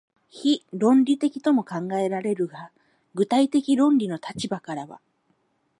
非論理的とも考えられるが、具体的論理の立場からは、